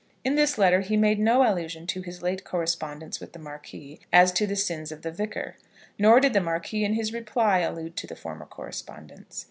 In this letter he made no allusion to his late correspondence with the Marquis as to the sins of the Vicar. Nor did the Marquis in his reply allude to the former correspondence.